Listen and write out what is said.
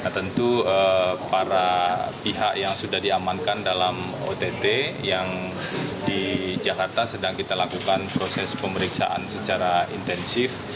tentu para pihak yang sudah diamankan dalam ott yang di jakarta sedang kita lakukan proses pemeriksaan secara intensif